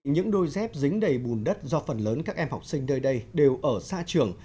những đôi dép dính đầy bùn đất do phần lớn các em học sinh nơi đây đều ở xa trường